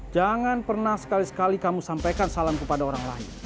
jangan pernah sekali sekali kamu sampaikan salam kepada orang lain